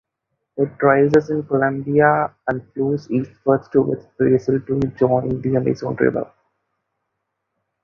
It rises in Colombia and flows eastward through Brazil to join the Amazon River.